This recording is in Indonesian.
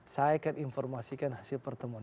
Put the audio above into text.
saya akan informasikan hasil pertemuan